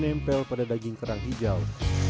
menempel pada daging kerang hijau